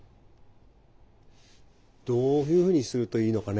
どういうふうにするといいのかね